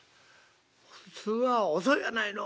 普通は『遅いやないの』